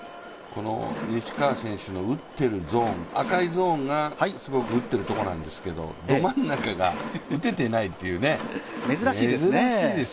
西川選手の打っているゾーン、赤いゾーンがすごく打っているところなんですけどど真ん中が打てていないという珍しいですよ。